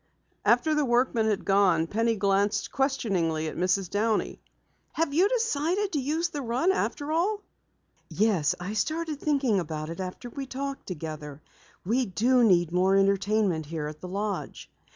After the workman had gone, Penny glanced questioningly at Mrs. Downey. "Have you decided to use the run after all?" "Yes, I started thinking about it after we talked together. We do need more entertainment here at the lodge.